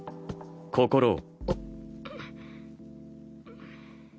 心を。